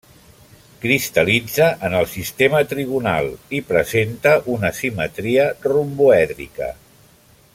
Cristal·litza en el sistema trigonal i presenta una simetria romboèdrica.